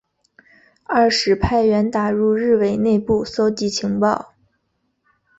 二是派员打入日伪内部搜集情报。